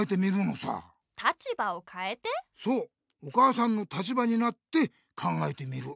お母さんの立場になって考えてみる。